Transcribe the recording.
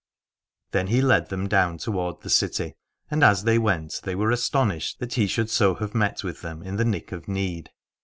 Then he led them down toward the city : and as they went they were astonished that he should so have met with them in the nick of need.